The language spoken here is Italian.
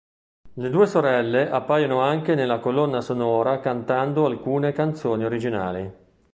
Le due sorelle appaiono anche nella colonna sonora cantando alcune canzoni originali.